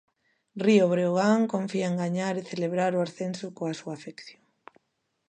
Río Breogán confía en gañar e celebrar o ascenso coa súa afección.